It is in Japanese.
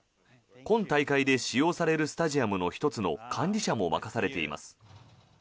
今大会で使用されるスタジアムの１つの管理者も任されています。